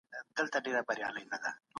بغیر نښو خلک هم وایرس خپرولی شي.